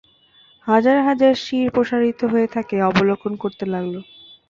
হাজার হাজার শির প্রসারিত হয়ে তাঁকে অবলোকন করতে লাগল।